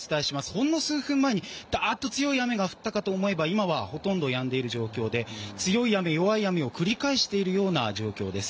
ほんの数分前にダーッと強い雨が降ったと思えば今は、ほとんどやんでいる状況で強い雨、弱い雨を繰り返しているような状況です。